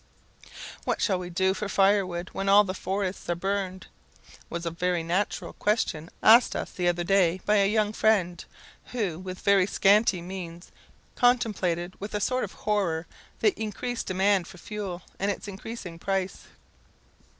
"What shall we do for firewood when all the forests are burned?" was a very natural question asked us the other day by a young friend, who, with very scanty means, contemplated with a sort of horror the increased demand for fuel, and its increasing price.